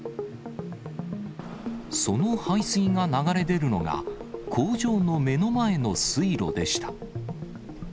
その排水が流れ出るのが、工場の目の前の水路でした。